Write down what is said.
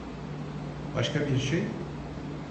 Başka bir şey?